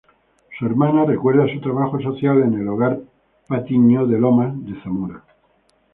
Su hermana recuerda su trabajo social en el Hogar Patiño de Lomas de Zamora.